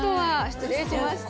失礼しました。